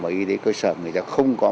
và y tế cơ sở người ta không có